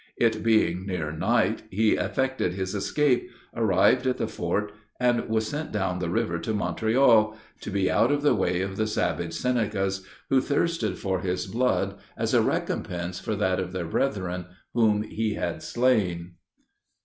It being near night, he effected his escape, arrived at the fort, and was sent down the river to Montreal, to be out of the way of the savage Senecas, who thirsted for his blood as a recompense for that of their brethren whom he had slain.